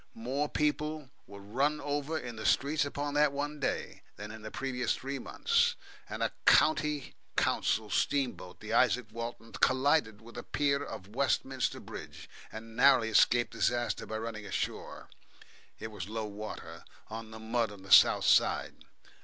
More people were run over in the streets upon that one day, than in the previous three months, and a County Council steamboat, the Isaac Walton, collided with a pier of Westminster Bridge, and narrowly escaped disaster by running ashore it was low water on the mud on the south side.